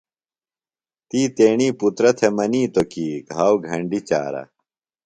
تی تیݨی پُترہ تھےۡ منِیتوۡ کی گھاؤ گھنڈیۡ چارہ۔